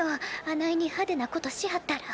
あないにハデなことしはったら。